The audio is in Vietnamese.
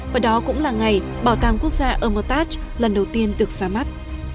và đó cũng là ngày bảo tàng quốc gia ammertage lần đầu tiên được ra mắt